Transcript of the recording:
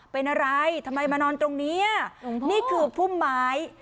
เป็นอะไรทำไมมานอนตรงเนี้ยหลวงพ่อนี่คือผู้หมาย